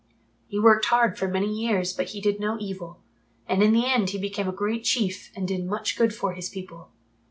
He worked hard for many years but he did no evil, and in the end he became a great Chief and did much good for his people.